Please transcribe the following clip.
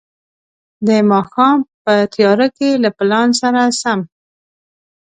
د ماښام په تياره کې له پلان سره سم.